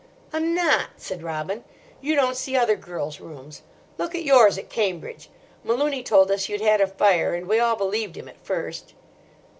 "I'm not," said Robin; "you don't see other girls' rooms. Look at yours at Cambridge. Malooney told us you'd had a fire, and we all believed him at first."